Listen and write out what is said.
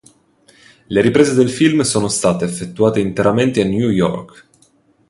Le riprese del film sono state effettuate interamente a New York.